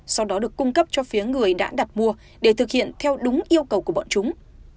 sau đó được cung cấp cho phía người đã đặt mua để thực hiện theo đúng yêu cầu của bọn chúng